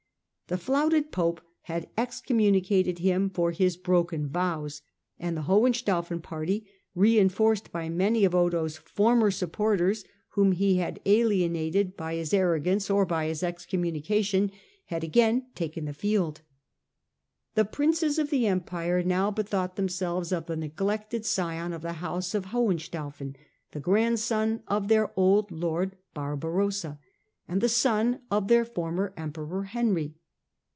The flouted Pope had excommunicated him for his broken vows, and the Hohenstaufen party, reinforced by many of Otho's former supporters whom he had alienated by 36 STUPOR MUNDI his arrogance or by his excommunication, had again taken the field. The Princes of the Empire now bethought themselves of the neglected scion of the house of Hohenstauf en, the grandson of their old Lord, Barbarossa, and the son of their former Emperor Henry.